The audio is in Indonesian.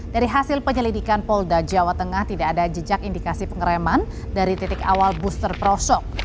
dari hasil penyelidikan polda jawa tengah tidak ada jejak indikasi pengereman dari titik awal bus terperosok